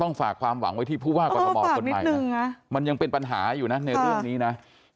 ฝากความหวังไว้ที่ผู้ว่ากรทมคนใหม่นะมันยังเป็นปัญหาอยู่นะในเรื่องนี้นะ